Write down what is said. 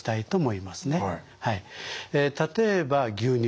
例えば牛乳。